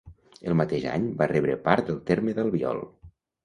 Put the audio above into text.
El mateix any va rebre part del terme de l'Albiol.